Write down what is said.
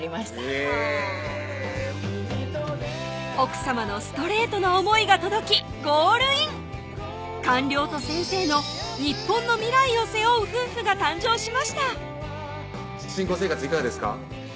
へぇはぁ奥さまのストレートな思いが届きゴールイン官僚と先生のニッポンの未来を背負う夫婦が誕生しました新婚生活いかがですか？